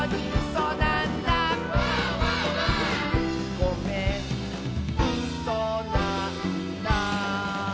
「ごめんうそなんだ」